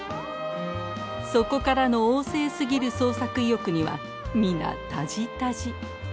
そこからの旺盛すぎる創作意欲には皆タジタジ。